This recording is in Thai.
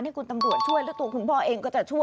ให้คุณตำรวจช่วยแล้วตัวคุณพ่อเองก็จะช่วย